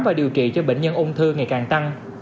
và điều trị cho bệnh nhân ung thư ngày càng tăng